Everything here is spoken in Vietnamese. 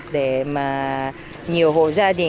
để mà nhiều hộ gia đình